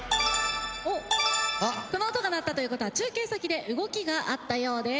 この音が鳴ったという事は中継先で動きがあったようです。